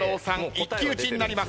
一騎打ちになります。